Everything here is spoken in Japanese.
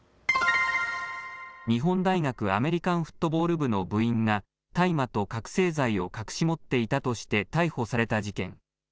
日本大学アメリカンフットボール部の部員が大麻と覚醒剤を隠し持っていたとして逮捕された事件。